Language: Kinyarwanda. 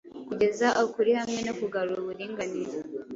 Kugeza ukuri hamwe no kugarura uburinganire